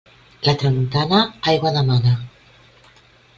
La tramuntana, aigua demana.